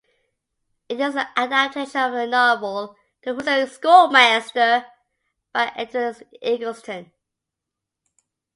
It is an adaptation of the novel "The Hoosier Schoolmaster" by Edward Eggleston.